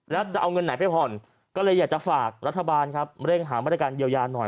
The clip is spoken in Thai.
แล้วจะเอาเงินไหนไปผ่อนก็เลยอยากจะฝากรัฐบาลครับเร่งหามาตรการเยียวยาหน่อย